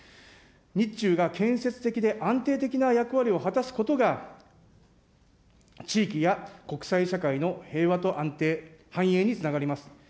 日中が建設的で安定的な役割を果たすことが、地域や国際社会の平和と安定、繁栄につながります。